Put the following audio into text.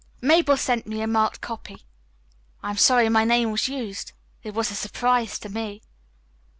"Mabel sent me a marked copy. I am sorry my name was used. It was a surprise to me."